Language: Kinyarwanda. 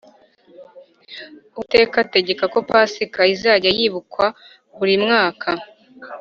Uwiteka ategeka ko Pasika izajya yibukwa buri mwaka